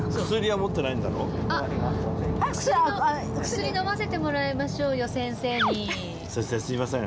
薬飲ませてもらいましょうよ先生に。